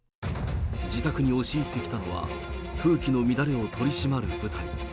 自宅に押し入ってきたのは、風紀の乱れを取り締まる部隊。